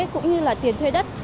cũng như là tiền thuê đất